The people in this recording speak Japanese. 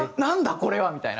これは！みたいな。